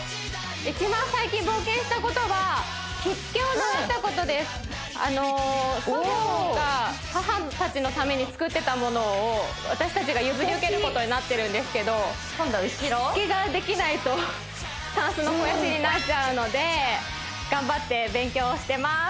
一番最近冒険したことは祖母が母たちのために作ってたものを私たちが譲り受けることになってるんですけど今度は後ろ着付けができないとたんすの肥やしになっちゃうので頑張って勉強してます